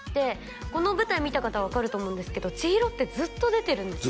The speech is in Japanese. この舞台見た方は分かると思うんですけど千尋ってずっと出てるんですよ